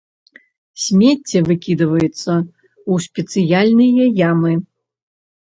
Смецце выкідваецца ў спецыяльныя ямы.